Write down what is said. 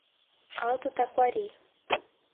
Alto Taquari